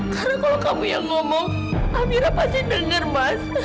karena kalau kamu yang ngomong amira pasti dengar mas